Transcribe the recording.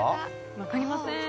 分かりません。